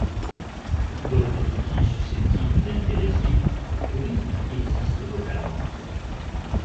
D'autres outils susceptibles d'intéresser le tourisme existe localement.